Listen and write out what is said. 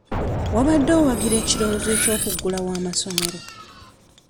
Wabadde owagira ekirowoozo ky'okuggalawo amasomero?